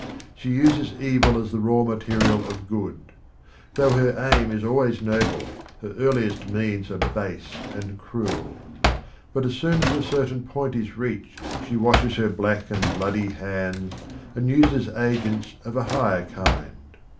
She uses evil as the raw material of good; though her aim is always noble, her earliest means are base and cruel. But as soon as a certain point is reached she washes her black and bloody hands, and uses agents of a higher kind.